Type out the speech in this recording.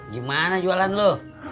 gimana jualan lo